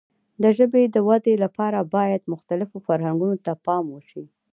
د ژبې د وده لپاره باید مختلفو فرهنګونو ته هم پام وشي.